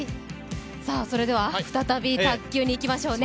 それでは再び卓球にいきましょうね。